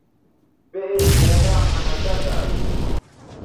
بے اِس میداں مہ نہ ٹہ تھا